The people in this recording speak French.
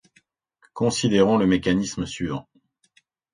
Considérons le mécanisme suivant.